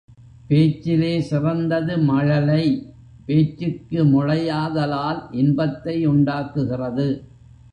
பேச்சிலே சிறந்தது மழலை, பேச்சுக்கு முளையாதலால் இன்பத்தை உண்டாக்குகிறது.